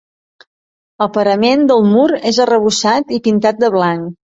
El parament del mur és arrebossat i pintat de blanc.